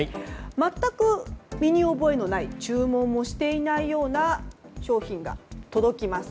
全く身に覚えのない注文をしていないような商品が届きます。